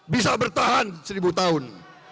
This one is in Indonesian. bisa bertahan seribu tahun